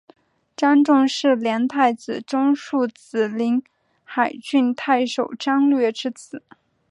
张种是梁太子中庶子临海郡太守张略之子。